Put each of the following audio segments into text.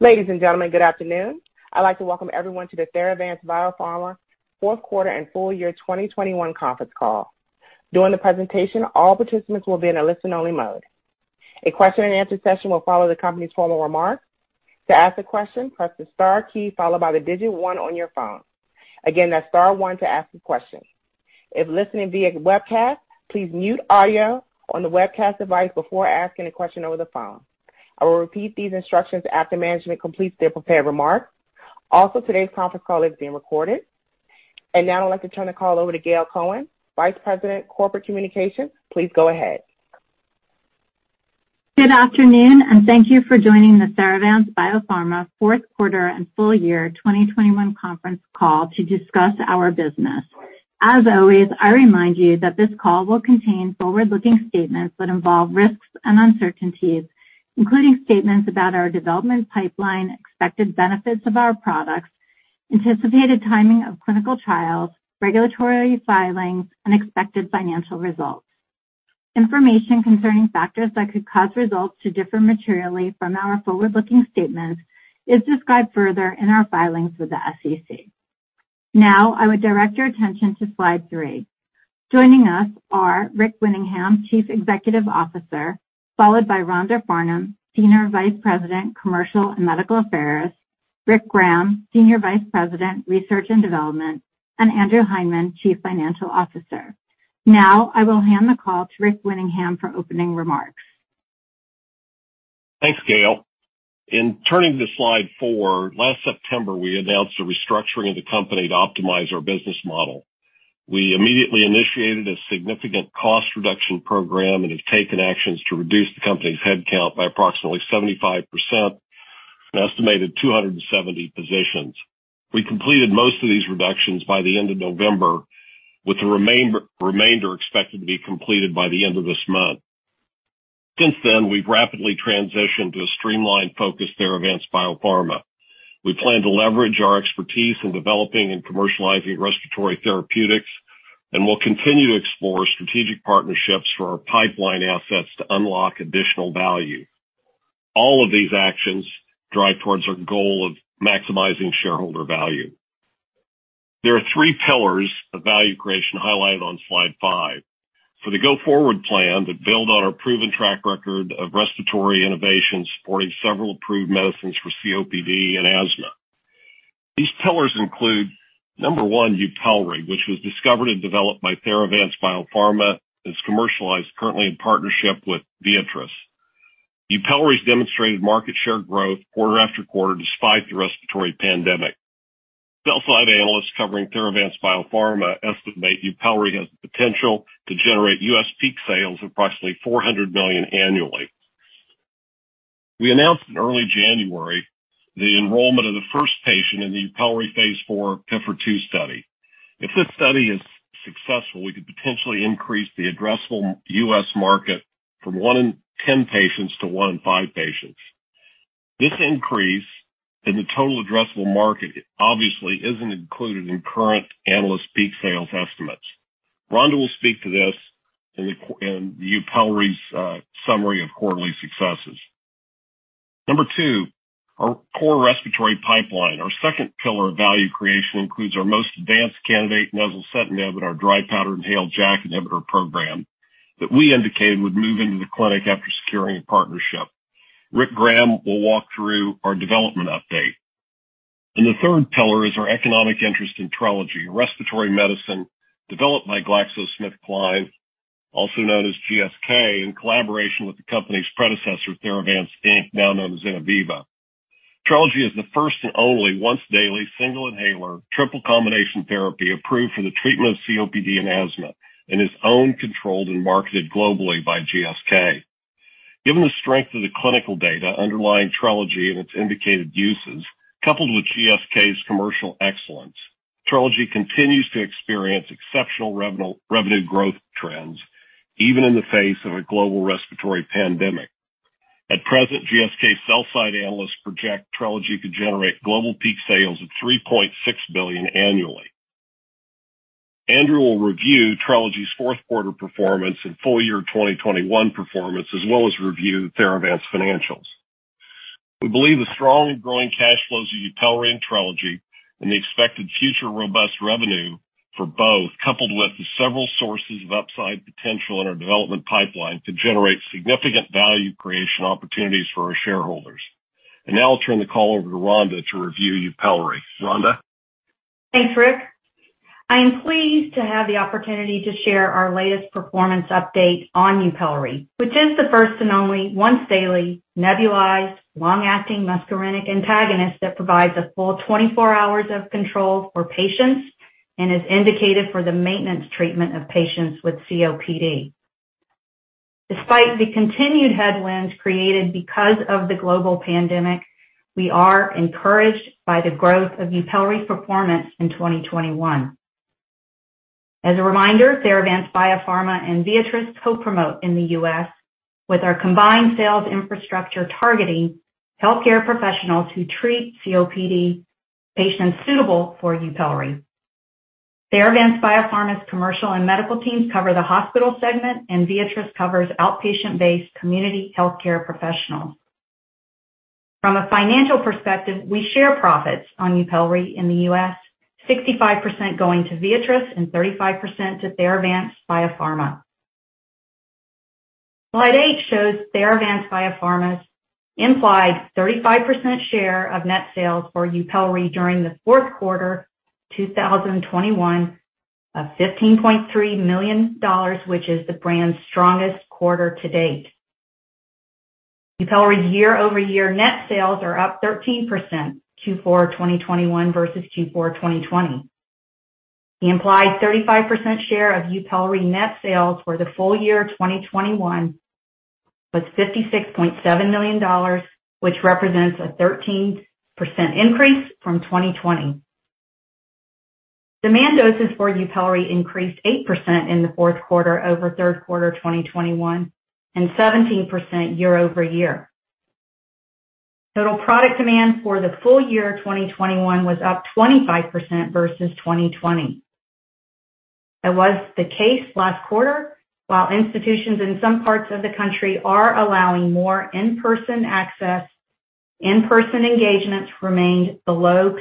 Ladies and gentlemen, good afternoon. I'd like to welcome everyone to the Theravance Biopharma fourth quarter and full-year 2021 conference call. During the presentation, all participants will be in a listen-only mode. A question-and-answer session will follow the company's formal remarks. To ask a question, press the star key followed by the digit one on your phone. Again, that's star one to ask a question. If listening via webcast, please mute audio on the webcast device before asking a question over the phone. I will repeat these instructions after management completes their prepared remarks. Also, today's conference call is being recorded. Now I'd like to turn the call over to Gail Cohen, Vice President, Corporate Communications. Please go ahead. Good afternoon, and thank you for joining the Theravance Biopharma fourth quarter and full-year 2021 conference call to discuss our business. As always, I remind you that this call will contain forward-looking statements that involve risks and uncertainties, including statements about our development pipeline, expected benefits of our products, anticipated timing of clinical trials, regulatory filings, and expected financial results. Information concerning factors that could cause results to differ materially from our forward-looking statements is described further in our filings with the SEC. Now, I would direct your attention to slide three. Joining us are Rick Winningham, Chief Executive Officer, followed by Rhonda Farnum, Senior Vice President, Commercial and Medical Affairs, Rick Graham, Senior Vice President, Research and Development, and Andrew Hindman, Chief Financial Officer. Now, I will hand the call to Rick Winningham for opening remarks. Thanks, Gail. In turning to slide four, last September, we announced a restructuring of the company to optimize our business model. We immediately initiated a significant cost reduction program and have taken actions to reduce the company's headcount by approximately 75%, an estimated 270 positions. We completed most of these reductions by the end of November, with the remainder expected to be completed by the end of this month. Since then, we've rapidly transitioned to a streamlined focus on Theravance Biopharma. We plan to leverage our expertise in developing and commercializing respiratory therapeutics, and we'll continue to explore strategic partnerships for our pipeline assets to unlock additional value. All of these actions drive towards our goal of maximizing shareholder value. There are three pillars of value creation highlighted on slide five for the go-forward plan that build on our proven track record of respiratory innovations supporting several approved medicines for COPD and asthma. These pillars include, number one, YUPELRI, which was discovered and developed by Theravance Biopharma, and is commercialized currently in partnership with Viatris. YUPELRI's demonstrated market share growth quarter after quarter despite the respiratory pandemic. Sell-side analysts covering Theravance Biopharma estimate YUPELRI has the potential to generate U.S. peak sales of approximately $400 million annually. We announced in early January the enrollment of the first patient in the YUPELRI phase IV PIFR-2 study. If this study is successful, we could potentially increase the addressable U.S. market from one in 10 patients to one in five patients. This increase in the total addressable market obviously isn't included in current analyst peak sales estimates. Rhonda will speak to this in YUPELRI's summary of quarterly successes. Number two, our core respiratory pipeline. Our second pillar of value creation includes our most advanced candidate, nezulcitinib, our dry powder inhaled JAK inhibitor program that we indicated would move into the clinic after securing a partnership. Rick Graham will walk through our development update. The third pillar is our economic interest in TRELEGY, a respiratory medicine developed by GlaxoSmithKline, also known as GSK, in collaboration with the company's predecessor, Theravance Inc., now known as Innoviva. TRELEGY is the first and only once-daily single inhaler triple combination therapy approved for the treatment of COPD and asthma and is owned, controlled, and marketed globally by GSK. Given the strength of the clinical data underlying TRELEGY and its indicated uses, coupled with GSK's commercial excellence, TRELEGY continues to experience exceptional revenue growth trends even in the face of a global respiratory pandemic. At present, GSK sell-side analysts project TRELEGY could generate global peak sales of $3.6 billion annually. Andrew will review TRELEGY's fourth quarter performance and full-year 2021 performance, as well as review Theravance financials. We believe the strong and growing cash flows of YUPELRI and TRELEGY and the expected future robust revenue for both, coupled with the several sources of upside potential in our development pipeline, could generate significant value creation opportunities for our shareholders. Now I'll turn the call over to Rhonda to review YUPELRI. Rhonda? Thanks, Rick. I am pleased to have the opportunity to share our latest performance update on YUPELRI, which is the first and only once-daily nebulized long-acting muscarinic antagonist that provides a full 24 hours of control for patients and is indicated for the maintenance treatment of patients with COPD. Despite the continued headwinds created because of the global pandemic, we are encouraged by the growth of YUPELRI's performance in 2021. As a reminder, Theravance Biopharma and Viatris co-promote in the U.S. with our combined sales infrastructure targeting healthcare professionals who treat COPD patients suitable for YUPELRI. Theravance Biopharma's commercial and medical teams cover the hospital segment, and Viatris covers outpatient-based community healthcare professionals. From a financial perspective, we share profits on YUPELRI in the U.S., 65% going to Viatris and 35% to Theravance Biopharma. Slide eight shows Theravance Biopharma's implied 35% share of net sales for YUPELRI during the fourth quarter 2021 of $15.3 million, which is the brand's strongest quarter to date. YUPELRI's year-over-year net sales are up 13% Q4 2021 versus Q4 2020. The implied 35% share of YUPELRI net sales for the full-year 2021 was $56.7 million, which represents a 13% increase from 2020. Demand doses for YUPELRI increased 8% in the fourth quarter over third quarter 2021, and 17% year-over-year. Total product demand for the full-year 2021 was up 25% versus 2020. As was the case last quarter, while institutions in some parts of the country are allowing more in-person access, in-person engagements remained below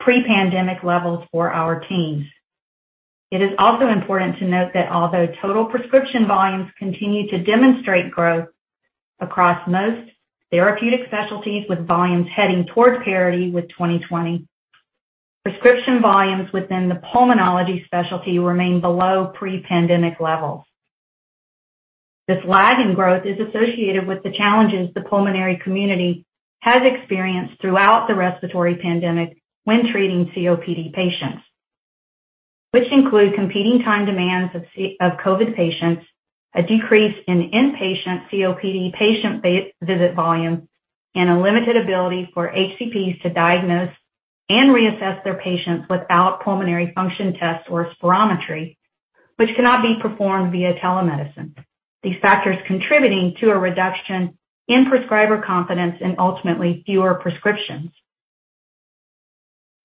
pre-pandemic levels for our teams. It is also important to note that although total prescription volumes continue to demonstrate growth across most therapeutic specialties with volumes heading towards parity with 2020, prescription volumes within the pulmonology specialty remain below pre-pandemic levels. This lag in growth is associated with the challenges the pulmonary community has experienced throughout the respiratory pandemic when treating COPD patients, which include competing time demands of COVID patients, a decrease in inpatient COPD patient-based visit volumes, and a limited ability for HCPs to diagnose and reassess their patients without pulmonary function tests or spirometry, which cannot be performed via telemedicine. These factors are contributing to a reduction in prescriber confidence and ultimately fewer prescriptions.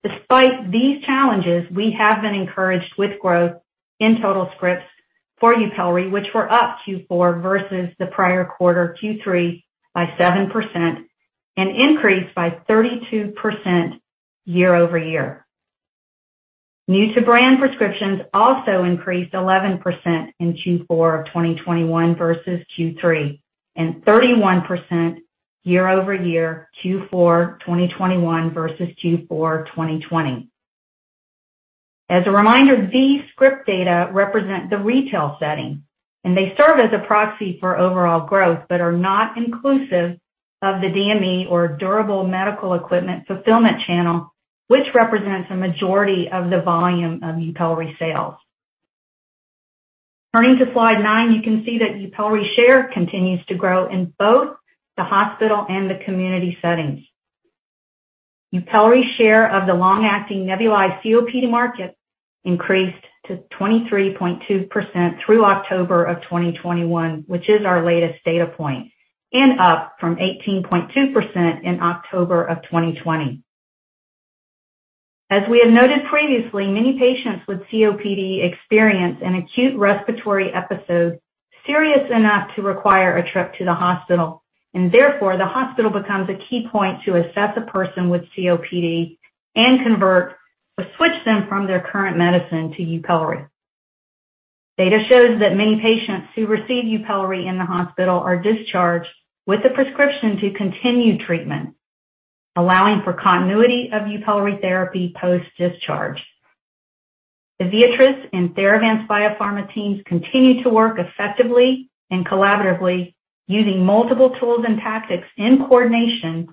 Despite these challenges, we have been encouraged with growth in total scripts for YUPELRI, which were up Q4 versus the prior quarter, Q3, by 7% and increased by 32% year-over-year. New to brand prescriptions also increased 11% in Q4 of 2021 versus Q3, and 31% year-over-year Q4 2021 versus Q4 2020. As a reminder, these script data represent the retail setting, and they serve as a proxy for overall growth, but are not inclusive of the DME or durable medical equipment fulfillment channel, which represents a majority of the volume of YUPELRI sales. Turning to slide nine, you can see that YUPELRI share continues to grow in both the hospital and the community settings. YUPELRI share of the long-acting nebulized COPD market increased to 23.2% through October 2021, which is our latest data point, and up from 18.2% in October 2020. As we have noted previously, many patients with COPD experience an acute respiratory episode serious enough to require a trip to the hospital. Therefore, the hospital becomes a key point to assess a person with COPD and convert or switch them from their current medicine to YUPELRI. Data shows that many patients who receive YUPELRI in the hospital are discharged with a prescription to continue treatment, allowing for continuity of YUPELRI therapy post-discharge. The Viatris and Theravance Biopharma teams continue to work effectively and collaboratively using multiple tools and tactics in coordination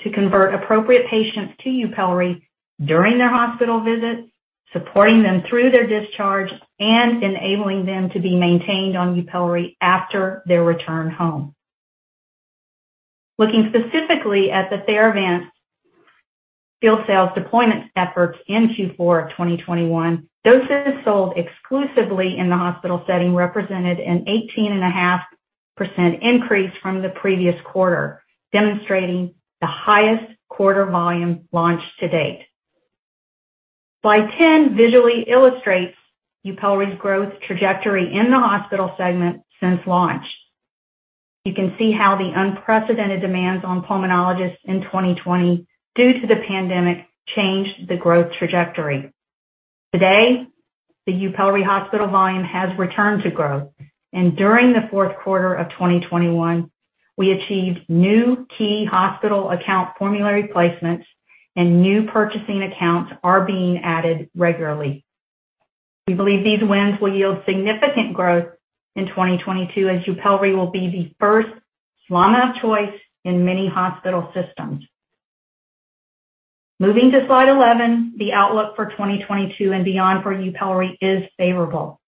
to convert appropriate patients to YUPELRI during their hospital visit, supporting them through their discharge, and enabling them to be maintained on YUPELRI after their return home. Looking specifically at the Theravance field sales deployment efforts in Q4 of 2021, doses sold exclusively in the hospital setting represented an 18.5% increase from the previous quarter, demonstrating the highest quarter volume launched to date. Slide 10 visually illustrates YUPELRI's growth trajectory in the hospital segment since launch. You can see how the unprecedented demands on pulmonologists in 2020 due to the pandemic changed the growth trajectory. Today, the YUPELRI hospital volume has returned to growth. During the fourth quarter of 2021, we achieved new key hospital account formulary placements and new purchasing accounts are being added regularly. We believe these wins will yield significant growth in 2022, as YUPELRI will be the first long-term choice in many hospital systems. Moving to slide 11. The outlook for 2022 and beyond for YUPELRI is favorable.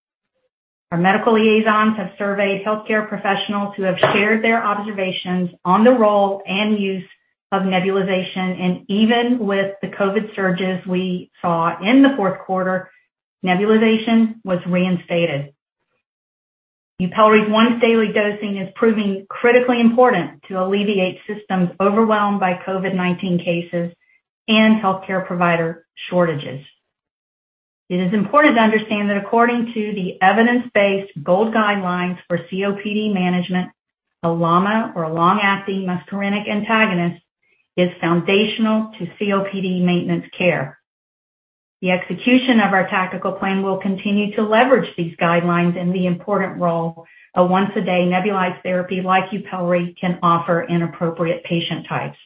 Our medical liaisons have surveyed healthcare professionals who have shared their observations on the role and use of nebulization. Even with the COVID surges we saw in the fourth quarter, nebulization was reinstated. YUPELRI once daily dosing is proving critically important to alleviate systems overwhelmed by COVID-19 cases and healthcare provider shortages. It is important to understand that according to the evidence-based GOLD guidelines for COPD management, a LAMA, or long-acting muscarinic antagonist, is foundational to COPD maintenance care. The execution of our tactical plan will continue to leverage these guidelines and the important role a once-a-day nebulized therapy like YUPELRI can offer in appropriate patient types.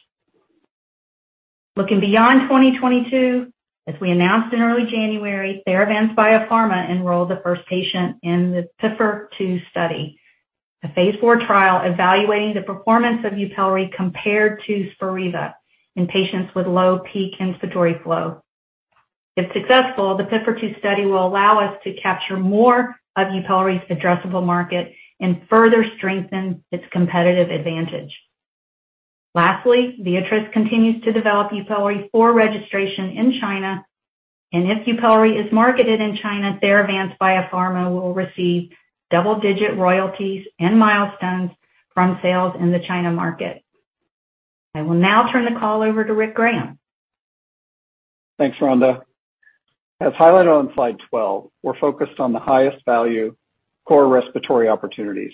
Looking beyond 2022, as we announced in early January, Theravance Biopharma enrolled the first patient in the PIFR-2 study, a phase IV trial evaluating the performance of YUPELRI compared to Spiriva in patients with low peak inspiratory flow. If successful, the PIFR-2 study will allow us to capture more of YUPELRI's addressable market and further strengthen its competitive advantage. Lastly, Viatris continues to develop YUPELRI for registration in China. If YUPELRI is marketed in China, Theravance Biopharma will receive double-digit royalties and milestones from sales in the China market. I will now turn the call over to Rick Graham. Thanks, Rhonda. As highlighted on slide 12, we're focused on the highest value core respiratory opportunities.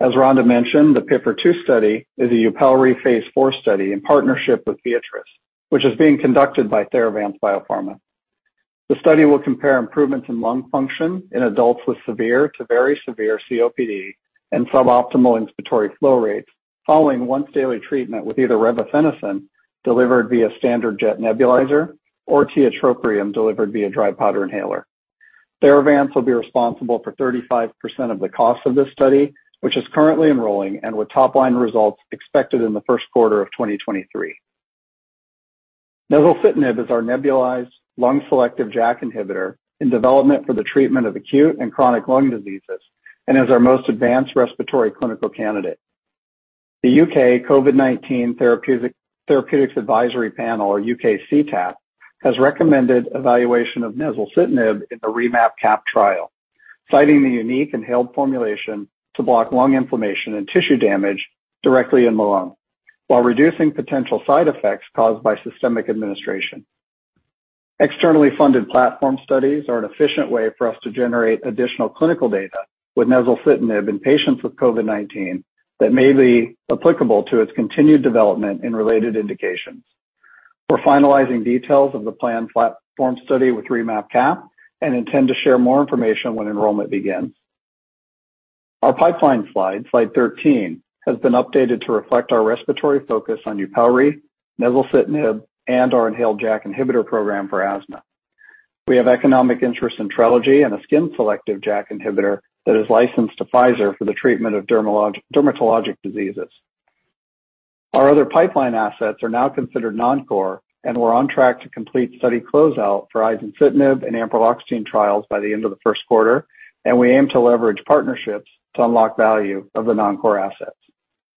As Rhonda mentioned, the PIFR-2 study is a YUPELRI phase IV study in partnership with Viatris, which is being conducted by Theravance Biopharma. The study will compare improvements in lung function in adults with severe to very severe COPD and suboptimal inspiratory flow rates following once daily treatment with either revefenacin delivered via standard jet nebulizer or tiotropium delivered via dry powder inhaler. Theravance will be responsible for 35% of the cost of this study, which is currently enrolling and with top-line results expected in the first quarter of 2023. Nezulcitinib is our nebulized lung-selective JAK inhibitor in development for the treatment of acute and chronic lung diseases and is our most advanced respiratory clinical candidate. The UK COVID-19 Therapeutics Advisory Panel, or UK-CTAP, has recommended evaluation of nezulcitinib in the REMAP-CAP trial, citing the unique inhaled formulation to block lung inflammation and tissue damage directly in the lung while reducing potential side effects caused by systemic administration. Externally funded platform studies are an efficient way for us to generate additional clinical data with nezulcitinib in patients with COVID-19 that may be applicable to its continued development in related indications. We're finalizing details of the planned platform study with REMAP-CAP and intend to share more information when enrollment begins. Our pipeline slide 13, has been updated to reflect our respiratory focus on YUPELRI, nezulcitinib, and our inhaled JAK inhibitor program for asthma. We have economic interest in TRELEGY and a skin-selective JAK inhibitor that is licensed to Pfizer for the treatment of dermatologic diseases. Our other pipeline assets are now considered non-core, and we're on track to complete study closeout for izencitinib and ampreloxetine trials by the end of the first quarter, and we aim to leverage partnerships to unlock value of the non-core assets.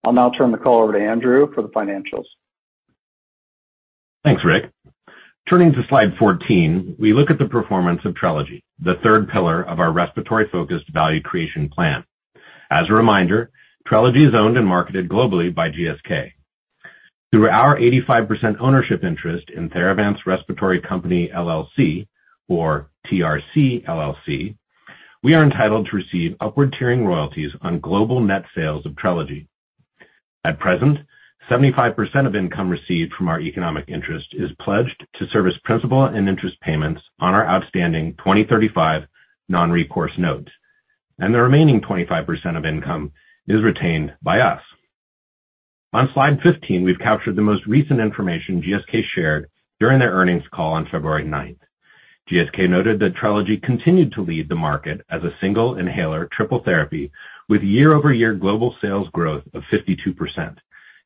I'll now turn the call over to Andrew for the financials. Thanks, Rick. Turning to slide 14, we look at the performance of TRELEGY, the third pillar of our respiratory-focused value creation plan. As a reminder, TRELEGY is owned and marketed globally by GSK. Through our 85% ownership interest in Theravance Respiratory Company, LLC or TRC LLC, we are entitled to receive upward tiering royalties on global net sales of TRELEGY. At present, 75% of income received from our economic interest is pledged to service principal and interest payments on our outstanding 2035 non-recourse notes, and the remaining 25% of income is retained by us. On slide 15, we've captured the most recent information GSK shared during their earnings call on February 9. GSK noted that TRELEGY continued to lead the market as a single inhaler triple therapy with year-over-year global sales growth of 52%,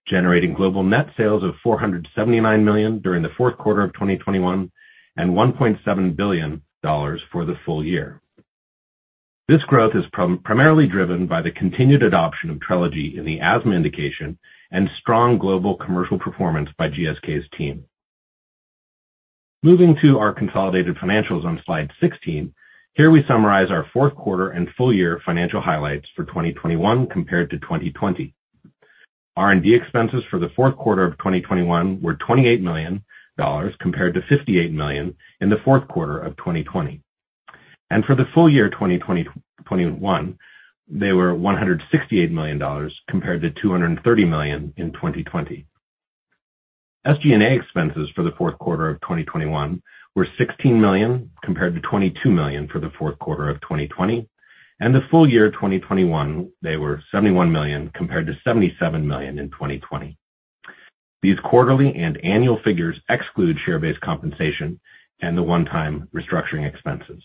generating global net sales of $479 million during the fourth quarter of 2021 and $1.7 billion for the full-year. This growth is primarily driven by the continued adoption of TRELEGY in the asthma indication and strong global commercial performance by GSK's team. Moving to our consolidated financials on slide 16, here we summarize our fourth quarter and full-year financial highlights for 2021 compared to 2020. R&D expenses for the fourth quarter of 2021 were $28 million compared to $58 million in the fourth quarter of 2020. For the full-year 2021, they were $168 million compared to $230 million in 2020. SG&A expenses for the fourth quarter of 2021 were $16 million compared to $22 million for the fourth quarter of 2020. For the full-year 2021, they were $71 million compared to $77 million in 2020. These quarterly and annual figures exclude share-based compensation and the one-time restructuring expenses.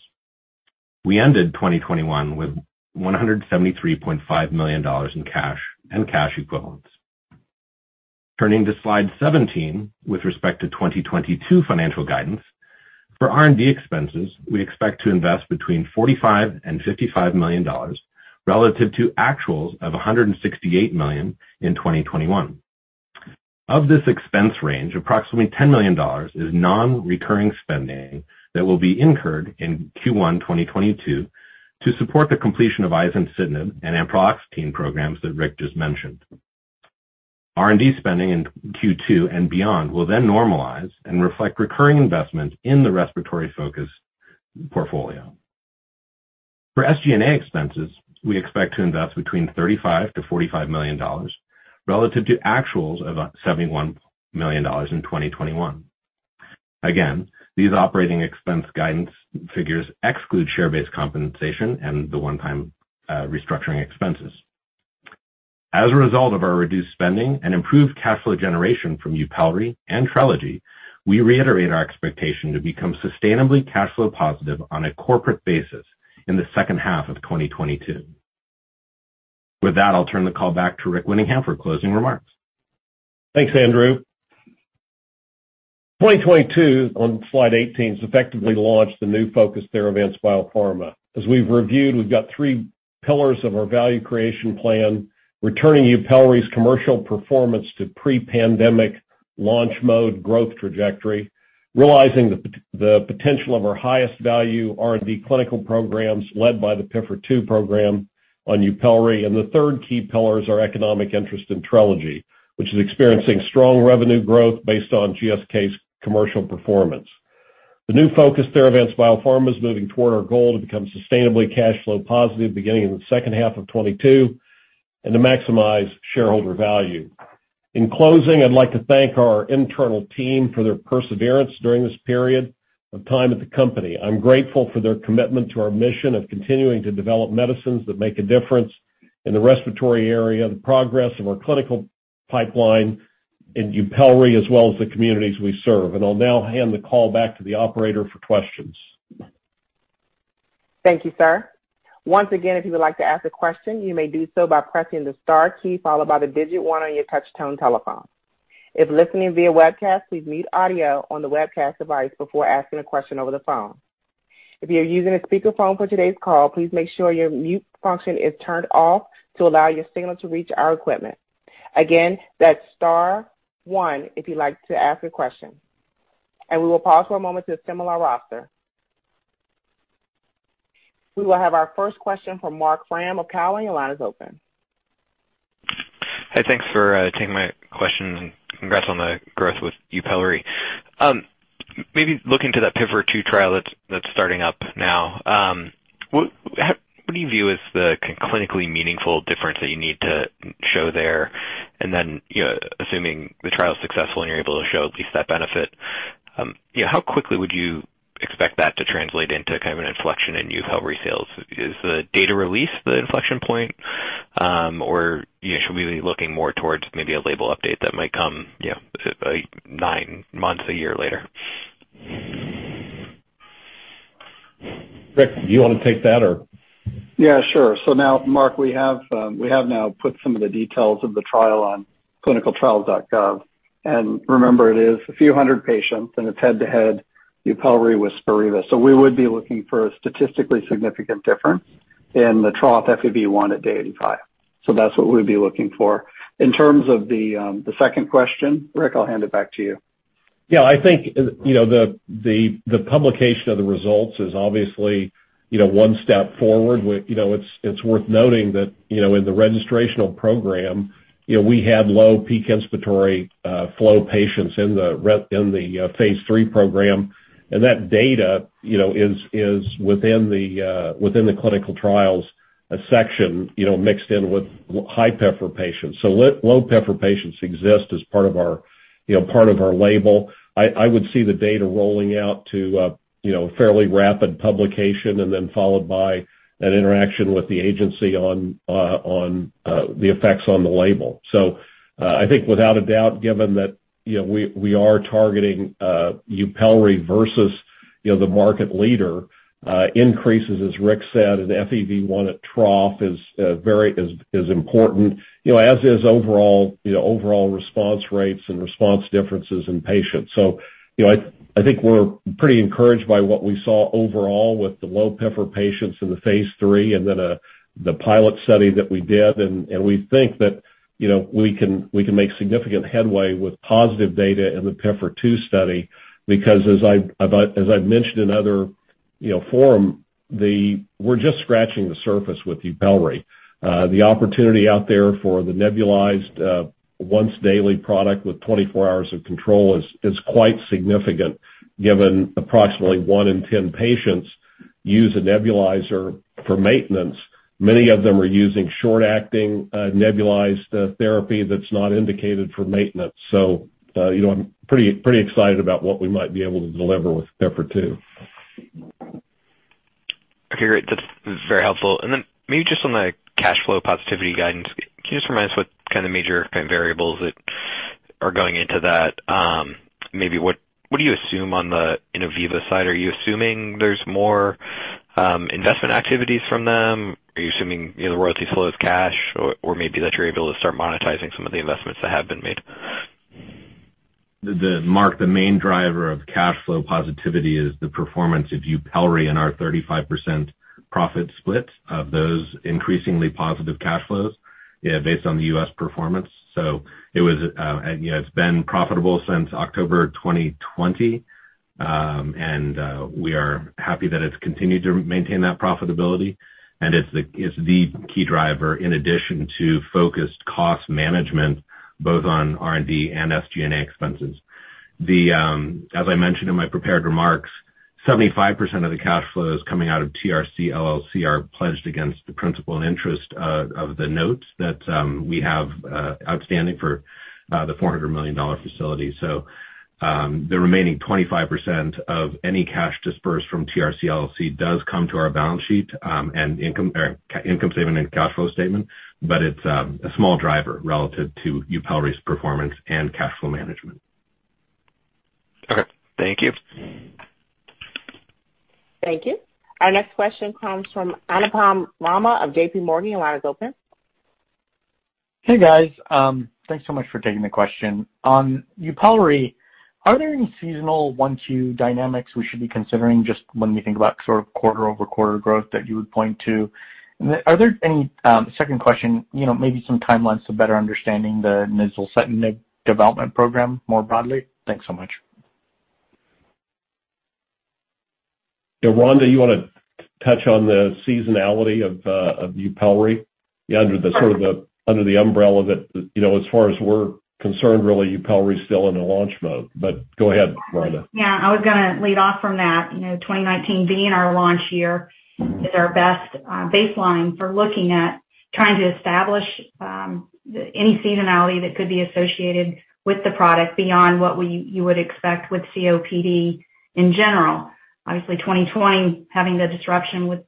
We ended 2021 with $173.5 million in cash and cash equivalents. Turning to slide 17 with respect to 2022 financial guidance. For R&D expenses, we expect to invest between $45 million and $55 million relative to actuals of $168 million in 2021. Of this expense range, approximately $10 million is non-recurring spending that will be incurred in Q1 2022 to support the completion of izencitinib and ampreloxetine programs that Rick just mentioned. R&D spending in Q2 and beyond will then normalize and reflect recurring investment in the respiratory-focused portfolio. For SG&A expenses, we expect to invest between $35 million-$45 million relative to actuals of $71 million in 2021. Again, these operating expense guidance figures exclude share-based compensation and the one-time restructuring expenses. As a result of our reduced spending and improved cash flow generation from YUPELRI and TRELEGY, we reiterate our expectation to become sustainably cash flow positive on a corporate basis in the second half of 2022. With that, I'll turn the call back to Rick Winningham for closing remarks. Thanks, Andrew. 2022 on Slide 18 has effectively launched the new focused Theravance Biopharma. As we've reviewed, we've got three pillars of our value creation plan: returning YUPELRI's commercial performance to pre-pandemic launch mode growth trajectory, realizing the potential of our highest value R&D clinical programs led by the PIFR-2 program on YUPELRI, and the third key pillar is our economic interest in TRELEGY, which is experiencing strong revenue growth based on GSK's commercial performance. The new focused Theravance Biopharma is moving toward our goal to become sustainably cash flow positive beginning in the second half of 2022 and to maximize shareholder value. In closing, I'd like to thank our internal team for their perseverance during this period of time at the company. I'm grateful for their commitment to our mission of continuing to develop medicines that make a difference in the respiratory area, the progress of our clinical pipeline, and YUPELRI, as well as the communities we serve. I'll now hand the call back to the operator for questions. Thank you, sir. Once again, if you would like to ask a question, you may do so by pressing the star key followed by the digit one on your touch tone telephone. If listening via webcast, please mute audio on the webcast device before asking a question over the phone. If you're using a speakerphone for today's call, please make sure your mute function is turned off to allow your signal to reach our equipment. Again, that's star one if you'd like to ask a question. We will pause for a moment to assemble our roster. We will have our first question from Marc Frahm of Cowen. Your line is open. Hi. Thanks for taking my question, and congrats on the growth with YUPELRI. Maybe looking to that PIFR-2 trial that's starting up now, what do you view as the clinically meaningful difference that you need to show there? You know, assuming the trial is successful and you're able to show at least that benefit, you know, how quickly would you expect that to translate into kind of an inflection in YUPELRI sales? Is the data release the inflection point, or, you know, should we be looking more towards maybe a label update that might come, you know, like nine months, a year later? Rick, do you wanna take that or? Yeah, sure. Now, Marc, we have now put some of the details of the trial on clinicaltrials.gov. Remember, it is a few hundred patients, and it's head-to-head YUPELRI with Spiriva. We would be looking for a statistically significant difference in the trough FEV1 at day 85. That's what we'd be looking for. In terms of the second question, Rick, I'll hand it back to you. Yeah. I think you know the publication of the results is obviously you know one step forward. You know it's worth noting that you know in the registrational program you know we had low peak inspiratory flow patients in the phase III program. That data you know is within the clinical trials section you know mixed in with high PIFR patients. Low PIFR patients exist as part of our you know part of our label. I would see the data rolling out to you know fairly rapid publication and then followed by an interaction with the agency on the effects on the label. I think without a doubt, given that, you know, we are targeting YUPELRI versus, you know, the market leader, increases, as Rick said, in FEV1 at trough is very important, you know, as is overall, you know, overall response rates and response differences in patients. I think we're pretty encouraged by what we saw overall with the low PIFR patients in the phase III and then the pilot study that we did. We think that, you know, we can make significant headway with positive data in the PIFR-2 study because as I've mentioned in other, you know, forum, we're just scratching the surface with YUPELRI. The opportunity out there for the nebulized once daily product with 24 hours of control is quite significant given approximately one in 10 patients use a nebulizer for maintenance. Many of them are using short-acting nebulized therapy that's not indicated for maintenance. You know, I'm pretty excited about what we might be able to deliver with PIFR-2. Okay, great. That's very helpful. Maybe just on the cash flow positivity guidance, can you just remind us what kind of major kind of variables that are going into that? Maybe what do you assume on the Innoviva side? Are you assuming there's more investment activities from them? Are you assuming you know the royalty flow is cash or maybe that you're able to start monetizing some of the investments that have been made? Marc, the main driver of cash flow positivity is the performance of YUPELRI and our 35% profit split of those increasingly positive cash flows, yeah, based on the U.S. performance. It's been profitable since October 2020. We are happy that it's continued to maintain that profitability. It's the key driver in addition to focused cost management, both on R&D and SG&A expenses. As I mentioned in my prepared remarks, 75% of the cash flows coming out of TRC LLC are pledged against the principal interest of the notes that we have outstanding for the $400-million facility. The remaining 25% of any cash disbursed from TRC LLC does come to our balance sheet, and income statement and cash flow statement, but it's a small driver relative to YUPELRI's performance and cash flow management. Okay, thank you. Thank you. Our next question comes from Anupam Rama of JPMorgan. Your line is open. Hey, guys. Thanks so much for taking the question. On YUPELRI, are there any seasonal Q1, Q2 dynamics we should be considering just when we think about sort of quarter-over-quarter growth that you would point to? Are there any, second question, you know, maybe some timelines to better understanding the izencitinib development program more broadly? Thanks so much. Yeah. Rhonda, you wanna touch on the seasonality of YUPELRI under the umbrella that, you know, as far as we're concerned, really, YUPELRI is still in a launch mode. Go ahead, Rhonda. Yeah. I was gonna lead off from that. You know, 2019 being our launch year is our best baseline for looking at trying to establish any seasonality that could be associated with the product beyond what you would expect with COPD in general. Obviously, 2020 having the disruption with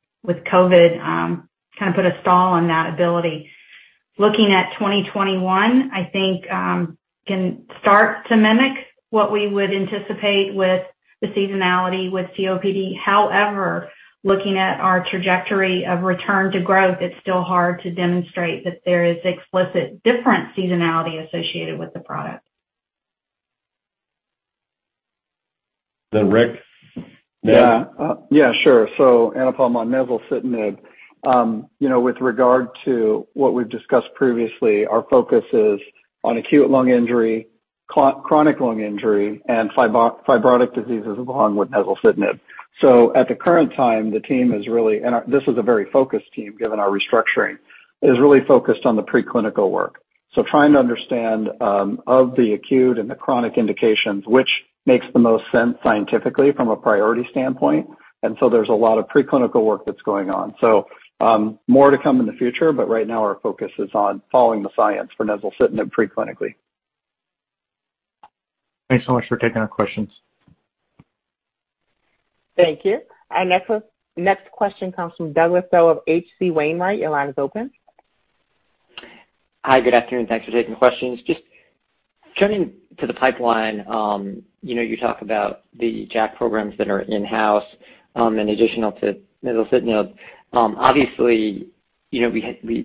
COVID kind of put a stall on that ability. Looking at 2021, I think can start to mimic what we would anticipate with the seasonality with COPD. However, looking at our trajectory of return to growth, it's still hard to demonstrate that there is explicit different seasonality associated with the product. Rick? Yeah, yeah, sure. Anupam, on nezulcitinib. You know, with regard to what we've discussed previously, our focus is on acute lung injury, chronic lung injury, and fibrotic diseases along with nezulcitinib. At the current time, the team is really, and this is a very focused team, given our restructuring, is really focused on the preclinical work, trying to understand of the acute and the chronic indications, which makes the most sense scientifically from a priority standpoint. There's a lot of preclinical work that's going on. More to come in the future, but right now our focus is on following the science for nezulcitinib preclinically. Thanks so much for taking our questions. Thank you. Our next question comes from Douglas Tsao of H.C. Wainwright. Your line is open. Hi. Good afternoon. Thanks for taking the questions. Just turning to the pipeline, you know, you talk about the JAK programs that are in-house, and in addition to nezulcitinib. Obviously, you know,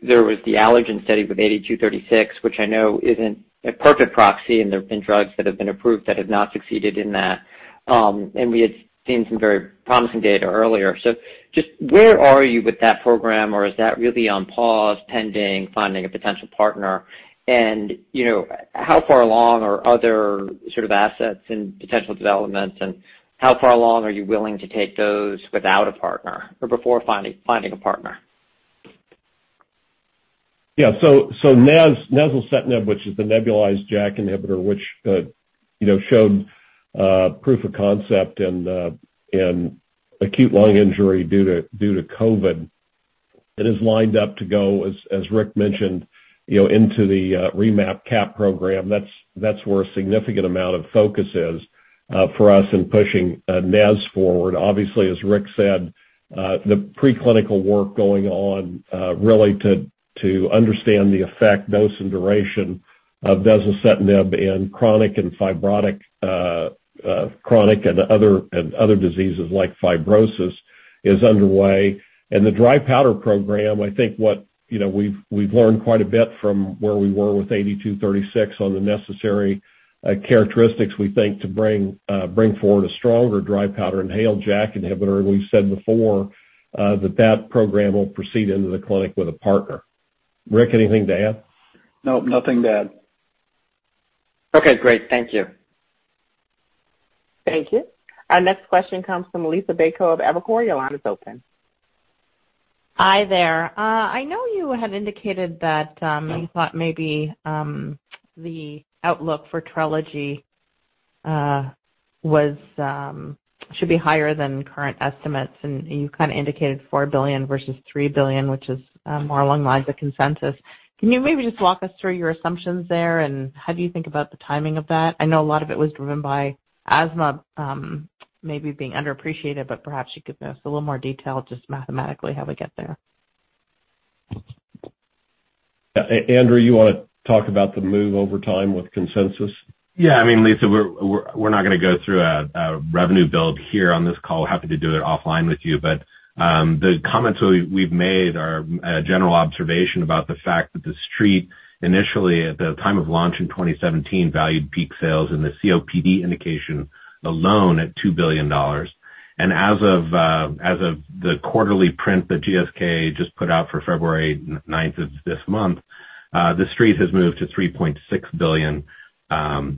there was the allergen study with TD-8236, which I know isn't a perfect proxy, and there have been drugs that have been approved that have not succeeded in that. We had seen some very promising data earlier. Just where are you with that program? Or is that really on pause pending finding a potential partner? And, you know, how far along are other sort of assets in potential developments, and how far along are you willing to take those without a partner or before finding a partner? Yeah. Nezulcitinib, which is the nebulized JAK inhibitor, which you know showed proof of concept in acute lung injury due to COVID, it is lined up to go, as Rick mentioned, you know, into the REMAP-CAP program. That's where a significant amount of focus is for us in pushing nez forward. Obviously, as Rick said, the preclinical work going on really to understand the effect, dose, and duration of nezulcitinib in chronic and fibrotic and other diseases like fibrosis is underway. The dry powder program, I think you know, we've learned quite a bit from where we were with TD-8236 on the necessary characteristics we think to bring forward a stronger dry powder inhaled JAK inhibitor. We've said before, that program will proceed into the clinic with a partner. Rick, anything to add? No, nothing to add. Okay, great. Thank you. Thank you. Our next question comes from Liisa Bayko of Evercore. Your line is open. Hi there. I know you had indicated that you thought maybe the outlook for TRELEGY should be higher than current estimates, and you kind of indicated $4 billion versus $3 billion, which is more along the lines of consensus. Can you maybe just walk us through your assumptions there, and how do you think about the timing of that? I know a lot of it was driven by asthma, maybe being underappreciated, but perhaps you could give us a little more detail, just mathematically, how we get there. Andrew, you want to talk about the move over time with consensus? Yeah. I mean, Liisa, we're not gonna go through a revenue build here on this call. Happy to do it offline with you. The comments that we've made are a general observation about the fact that the Street initially at the time of launch in 2017 valued peak sales in the COPD indication alone at $2 billion. As of the quarterly print that GSK just put out for February 9th of this month, the Street has moved to $3.6 billion,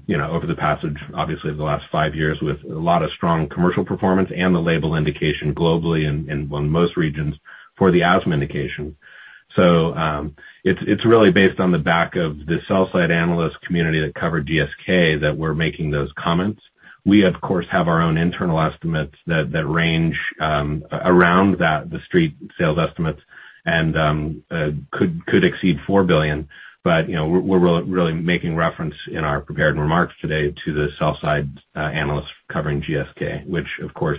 you know, over the passage, obviously of the last five years, with a lot of strong commercial performance and the label indication globally and on most regions for the asthma indication. It's really based on the back of the sell-side analyst community that cover GSK that we're making those comments. We of course have our own internal estimates that range around that, the Street sales estimates and could exceed $4 billion. You know, we're really making reference in our prepared remarks today to the sell-side analysts covering GSK, which of course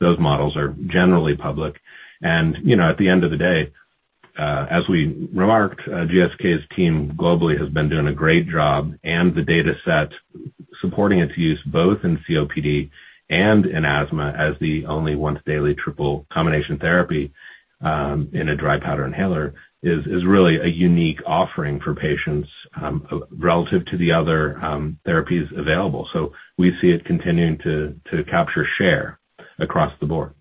those models are generally public. You know, at the end of the day, as we remarked, GSK's team globally has been doing a great job and the data set supporting its use both in COPD and in asthma as the only once daily triple combination therapy in a dry powder inhaler is really a unique offering for patients relative to the other therapies available. We see it continuing to capture share across the board.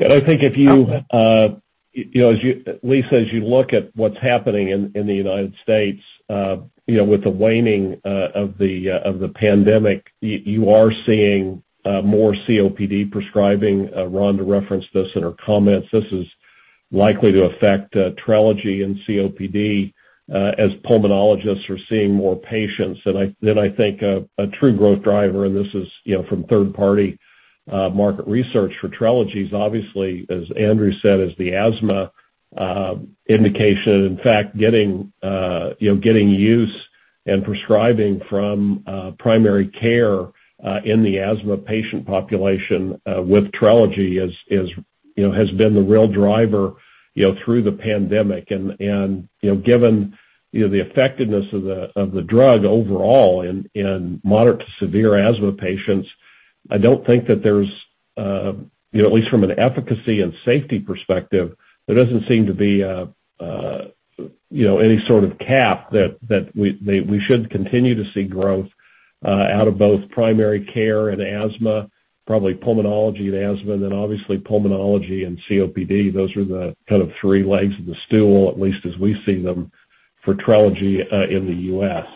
I think if you know, Liisa, as you look at what's happening in the United States, you know, with the waning of the pandemic, you are seeing more COPD prescribing. Rhonda referenced this in her comments. This is likely to affect TRELEGY in COPD as pulmonologists are seeing more patients. Then I think a true growth driver, and this is, you know, from third-party market research for TRELEGY is obviously, as Andrew said, the asthma indication. In fact, getting you know, use and prescribing from primary care in the asthma patient population with TRELEGY is, you know, has been the real driver, you know, through the pandemic. You know, given you know the effectiveness of the drug overall in moderate to severe asthma patients, I don't think that there's you know at least from an efficacy and safety perspective there doesn't seem to be you know any sort of cap that we should continue to see growth out of both primary care and asthma, probably pulmonology and asthma, then obviously pulmonology and COPD. Those are the kind of three legs of the stool, at least as we see them for TRELEGY in the U.S.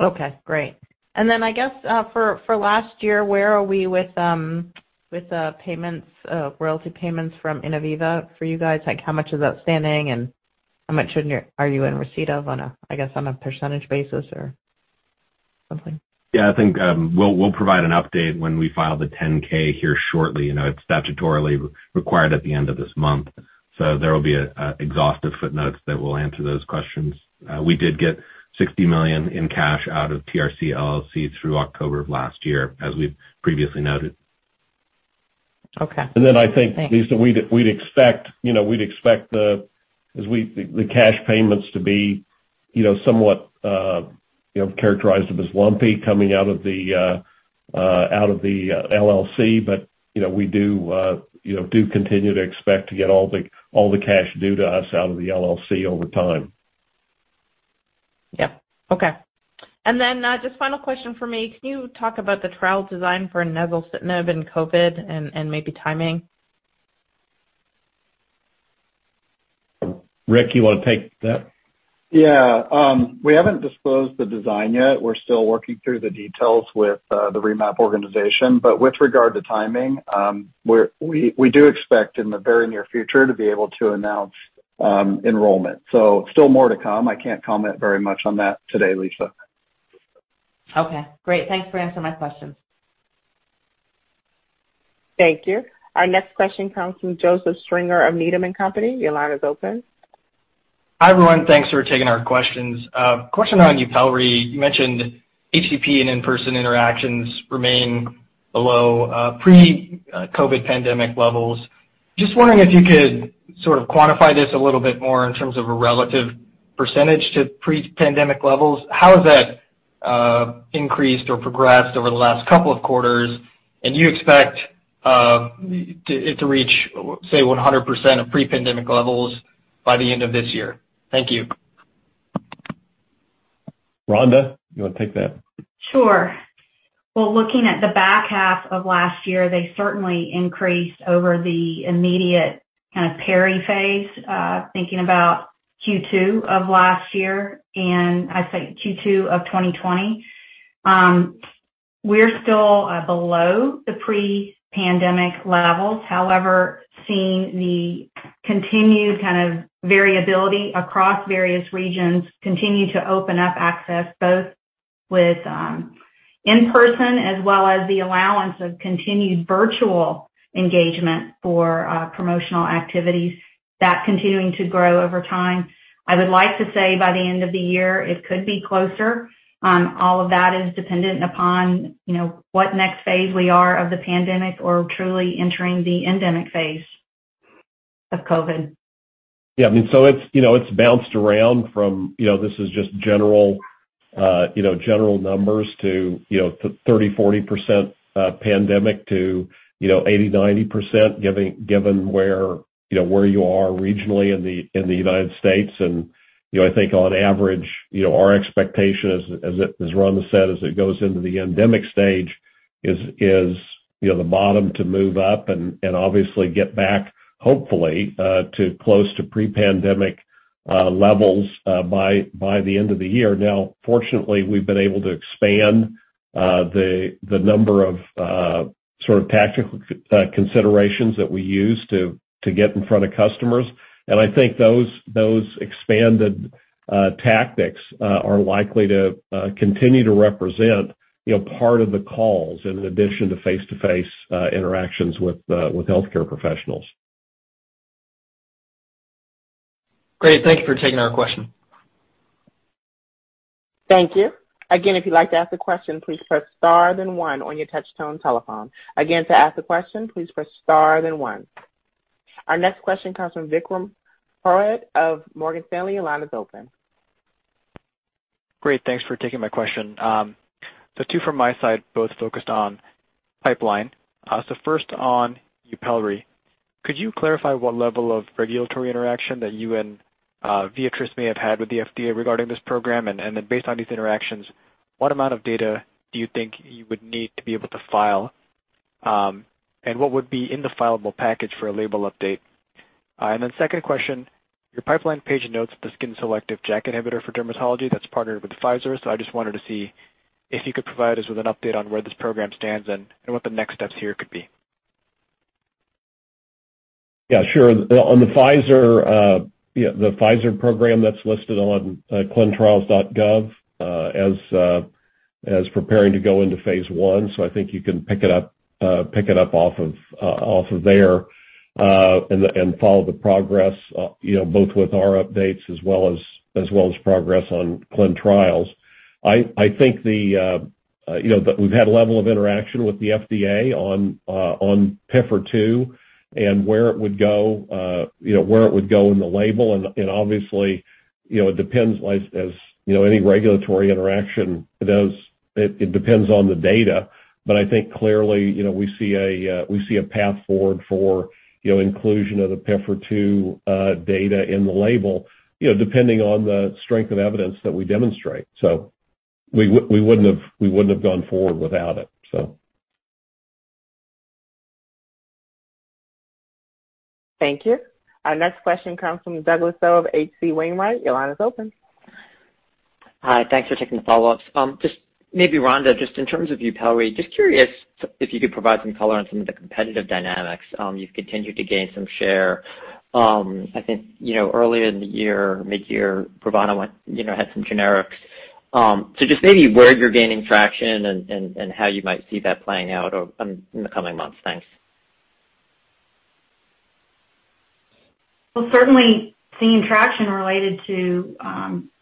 Okay, great. I guess, for last year, where are we with payments, royalty payments from Innoviva for you guys? Like, how much is outstanding, and how much are you in receipt of on a, I guess, on a percentage basis or something? Yeah, I think we'll provide an update when we file the 10-K here shortly. You know, it's statutorily required at the end of this month, so there will be exhaustive footnotes that will answer those questions. We did get $60 million in cash out of TRC LLC through October of last year, as we've previously noted. Okay. I think, Liisa, we'd expect, you know, we'd expect the cash payments to be, you know, somewhat, you know, characterized as lumpy coming out of the LLC. You know, we do, you know, do continue to expect to get all the cash due to us out of the LLC over time. Yeah. Okay. Just final question from me. Can you talk about the trial design for nezulcitinib and COVID-19 and maybe timing? Rick, you wanna take that? Yeah. We haven't disclosed the design yet. We're still working through the details with the REMAP-CAP organization. With regard to timing, we do expect in the very near future to be able to announce enrollment. Still more to come. I can't comment very much on that today, Liisa. Okay, great. Thanks for answering my questions. Thank you. Our next question comes from Joseph Stringer of Needham & Company. Your line is open. Hi, everyone. Thanks for taking our questions. Question on YUPELRI. You mentioned HCP and in-person interactions remain below pre-COVID pandemic levels. Just wondering if you could sort of quantify this a little bit more in terms of a relative percentage to pre-pandemic levels. How has that increased or progressed over the last couple of quarters? Do you expect it to reach, say, 100% of pre-pandemic levels by the end of this year? Thank you. Rhonda, you wanna take that? Sure. Well, looking at the back half of last year, they certainly increased over the immediate kind of peri phase, thinking about Q2 of last year, and I'd say Q2 of 2020. We're still below the pre-pandemic levels. However, seeing the continued kind of variability across various regions continue to open up access both with in-person as well as the allowance of continued virtual engagement for promotional activities, that continuing to grow over time. I would like to say by the end of the year it could be closer. All of that is dependent upon, you know, what next phase we are of the pandemic or truly entering the endemic phase of COVID. Yeah. I mean, it's bounced around from this is just general numbers to 30%-40% pandemic to 80%-90% given where you are regionally in the United States. You know, I think on average our expectation as Rhonda said, as it goes into the endemic stage is the bottom to move up and obviously get back hopefully to close to pre-pandemic levels by the end of the year. Now fortunately, we've been able to expand the number of sort of tactical considerations that we use to get in front of customers. I think those expanded tactics are likely to continue to represent, you know, part of the calls in addition to face-to-face interactions with healthcare professionals. Great. Thank you for taking our question. Thank you. Again, if you'd like to ask a question, please press star then one on your touch tone telephone. Again, to ask a question, please press star then one. Our next question comes from Vikram Purohit of Morgan Stanley. Your line is open. Great. Thanks for taking my question. The two from my side both focused on pipeline. So first on YUPELRI. Could you clarify what level of regulatory interaction that you and Viatris may have had with the FDA regarding this program? And then based on these interactions, what amount of data do you think you would need to be able to file? And what would be in the fileable package for a label update? And then second question, your pipeline page notes the skin-selective JAK inhibitor for dermatology that's partnered with Pfizer. So I just wanted to see if you could provide us with an update on where this program stands and what the next steps here could be. Yeah, sure. On the Pfizer, you know, the Pfizer program that's listed on clinicaltrials.gov as preparing to go into phase I. I think you can pick it up off of there and follow the progress, you know, both with our updates as well as progress on clinical trials. I think, you know, we've had a level of interaction with the FDA on PIFR-2 and where it would go in the label. Obviously, you know, it depends, as you know, any regulatory interaction does. It depends on the data. I think clearly, you know, we see a path forward for, you know, inclusion of the PIFR-2 data in the label, you know, depending on the strength of evidence that we demonstrate. We wouldn't have gone forward without it. Thank you. Our next question comes from Douglas Tsao of H.C. Wainwright. Your line is open. Hi. Thanks for taking the follow-ups. Just maybe Rhonda, just in terms of YUPELRI, just curious if you could provide some color on some of the competitive dynamics. You've continued to gain some share. I think, you know, earlier in the year, midyear, Brovana went, you know, had some generics. So just maybe where you're gaining traction and how you might see that playing out over in the coming months. Thanks. Well, certainly seeing traction related to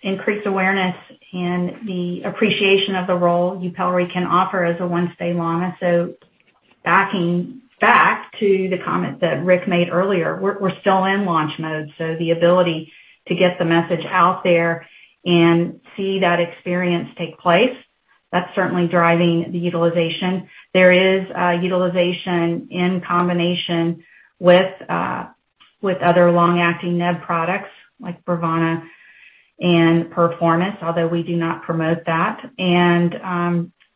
increased awareness and the appreciation of the role YUPELRI can offer as a once daily LAMA. Back to the comment that Rick made earlier, we're still in launch mode, so the ability to get the message out there and see that experience take place, that's certainly driving the utilization. There is utilization in combination with other long-acting neb products like Brovana and Perforomist, although we do not promote that.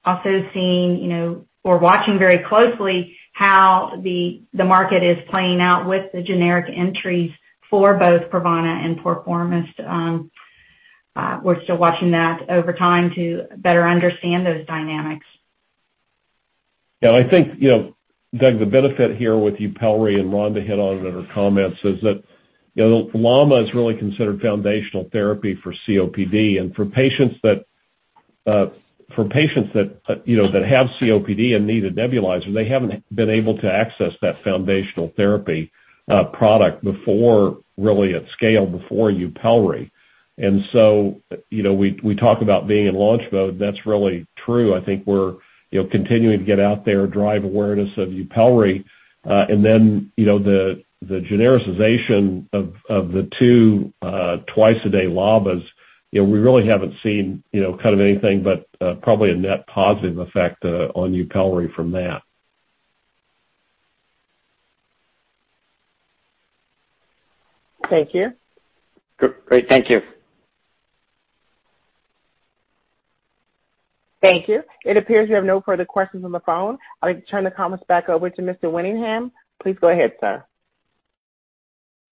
Also seeing, you know, we're watching very closely how the market is playing out with the generic entries for both Brovana and Perforomist. We're still watching that over time to better understand those dynamics. Yeah. I think, you know, Doug, the benefit here with YUPELRI, and Rhonda hit on it in her comments, is that, you know, LAMA is really considered foundational therapy for COPD. For patients that, you know, that have COPD and need a nebulizer, they haven't been able to access that foundational therapy product before really at scale before YUPELRI. We talk about being in launch mode. That's really true. I think we're, you know, continuing to get out there, drive awareness of YUPELRI. The genericization of the two twice a day LAMAs, you know, we really haven't seen, you know, kind of anything but probably a net positive effect on YUPELRI from that. Thank you. Great. Thank you. Thank you. It appears we have no further questions on the phone. I'd like to turn the comments back over to Mr. Winningham. Please go ahead, sir.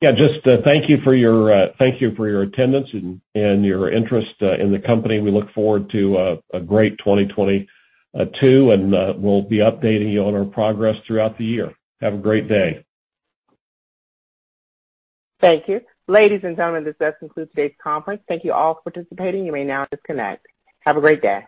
Thank you for your attendance and your interest in the company. We look forward to a great 2022, and we'll be updating you on our progress throughout the year. Have a great day. Thank you. Ladies and gentlemen, this does conclude today's conference. Thank you all for participating. You may now disconnect. Have a great day.